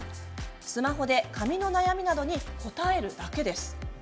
スマホで髪の悩みなどに答えるだけ。